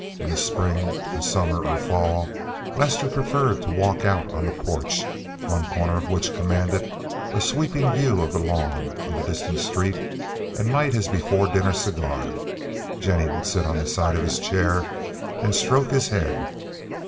In the spring, summer, or fall Lester preferred to walk out on the porch, one corner of which commanded a sweeping view of the lawn and the distant street, and light his before dinner cigar. Jennie would sit on the side of his chair and stroke his head.